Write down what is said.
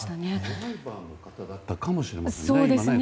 ドライバーの方かもしれませんね。